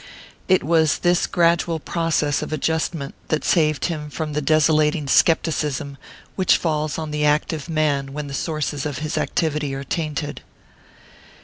It was this gradual process of adjustment that saved him from the desolating scepticism which falls on the active man when the sources of his activity are tainted.